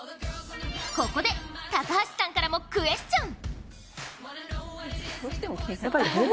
ここで、高橋さんからもクエスチョン。